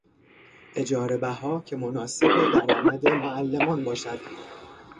اجارهبها که مناسب درآمد معلمان باشد